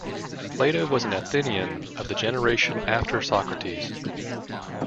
Plato was an Athenian of the generation after Socrates.